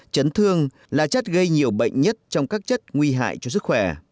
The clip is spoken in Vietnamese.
chấn thương là chất gây nhiều bệnh nhất trong các chất nguy hại cho sức khỏe